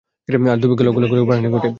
তখন দুর্ভিক্ষে লক্ষ-লক্ষ লোকের প্রাণহানি ঘটে।